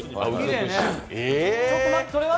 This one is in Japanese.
ちょっと待って、それは？